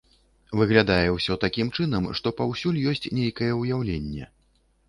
Выглядае ўсё такім чынам, што паўсюль ёсць нейкае ўяўленне.